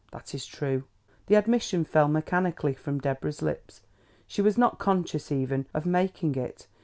"That is true." The admission fell mechanically from Deborah's lips; she was not conscious, even, of making it.